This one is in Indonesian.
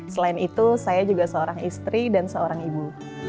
selain itu saya juga seorang istri dan seorang ibu